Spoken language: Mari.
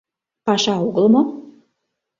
Паша огыл мо?